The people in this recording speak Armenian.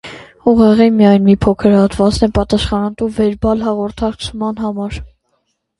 Ուղեղի միայն մի փոքր հատվածն է պատասխանատու վերբալ հաղորդակցման համար։